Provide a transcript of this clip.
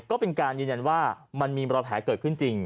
ก็เป็นการยืนยันว่ามันมีรอยแผลเกิดขึ้นจริง